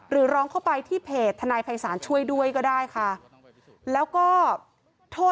หรือร้องเข้าไปที่เพจท